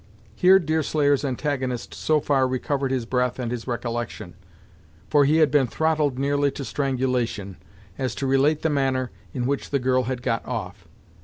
Here Deerslayer's antagonist so far recovered his breath and his recollection, for he had been throttled nearly to strangulation, as to relate the manner in which the girl had got off.